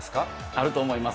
あると思います。